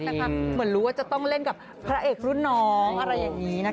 เหมือนรู้ว่าจะต้องเล่นกับพระเอกรุ่นน้องอะไรอย่างนี้